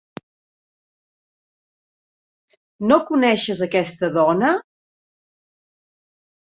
No coneixes aquesta dona?